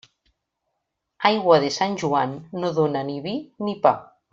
Aigua de Sant Joan no dóna ni vi ni pa.